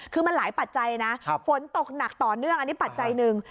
คือมันหลายปัจจัยนะฝนตกหนักต่อเนื่องอันนี้ปัจจัยหนึ่ง